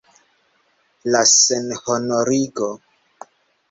La senhonorigo!